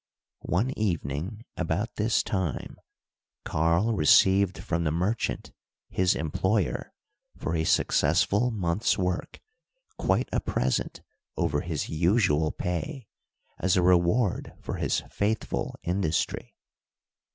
One evening, about this time, Karl received from the merchant, his employer, for a successful month's work, quite a present over his usual pay, as a reward for his faithful industry.